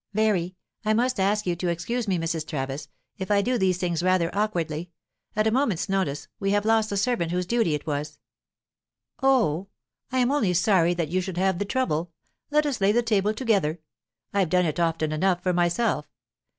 "Very. I must ask you to excuse me, Mrs. Travis, if I do these things rather awkwardly. At a moment's notice, we have lost the servant whose duty it was." "Oh, I am only sorry that you should have the trouble. Let us lay the table together. I've done it often enough for myself.